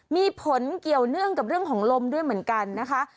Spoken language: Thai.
มีผลเกี่ยวเนื่องกับเรื่องของลมด้วยเหมือนกันนะคะ